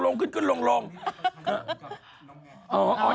นางขาดน้ำตาลอยู่กับน้องแน็ต